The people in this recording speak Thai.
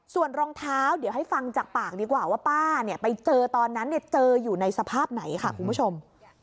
ส่วนรองเท้าเดี๋ยวให้ฟังจากปากดีกว่าว่าป้าเนี่ยไปเจอตอนนั้นเจออยู่ในสภาพไหนค่ะคุณผู้ชม